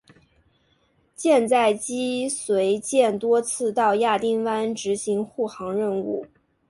舰载机随舰多次到亚丁湾执行护航任务。